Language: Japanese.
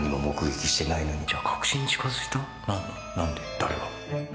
誰が？」